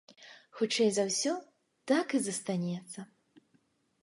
Хутчэй за ўсе, так і застанецца.